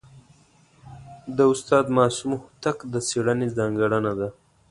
د استاد معصوم هوتک د څېړني ځانګړنه ده.